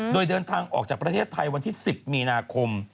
โดยเดินทางออกจากประเทศไทยวันที่๑๐มีนาคม